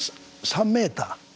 ３メーター。